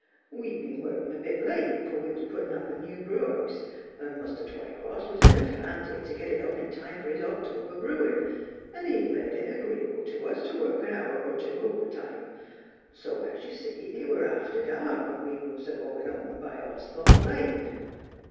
We'd been workin' a bit late, for we was puttin' up a new brew 'us,' and Muster Twycross was in a fantig to get it up in time for his October brewin', and he'd made it agreeable to us to work a hour or two overtime ; so, as you see, it were after dark when we was agoin' home by Austhorpe Lane.